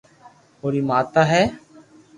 اوري ماتا ھي